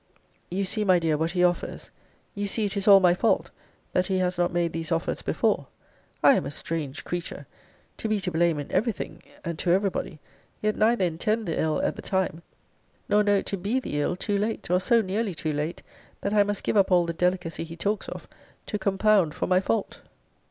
You see, my dear, what he offers. You see it is all my fault, that he has not made these offers before. I am a strange creature! to be to blame in every thing, and to every body; yet neither intend the ill at the time, nor know it to be the ill too late, or so nearly too late, that I must give up all the delicacy he talks of, to compound for my fault!